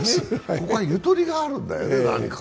ここは、ゆとりがあるんだよね、何か。